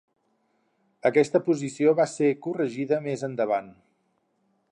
Aquesta posició va ser corregida més endavant.